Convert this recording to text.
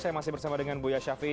saya masih bersama dengan buya syafi